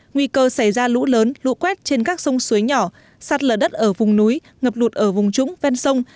nguy cơ xảy ra lũ lớn lũ quét trên các sông suối nhỏ sạt lở đất ở vùng núi ngập lụt ở vùng trũng ven sông